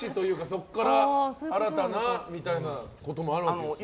そこから新たなみたいなこともあるんですかね。